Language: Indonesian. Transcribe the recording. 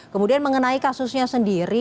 kemudian mengenai kasusnya sendiri